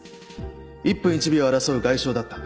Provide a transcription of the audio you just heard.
１分１秒を争う外傷だった。